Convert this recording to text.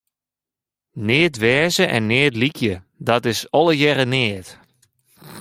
Neat wêze en neat lykje, dat is allegearre neat.